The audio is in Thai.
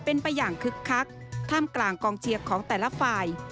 เป็นไปอย่างคึกคักท่ามกลางกองเชียร์ของแต่ละฝ่าย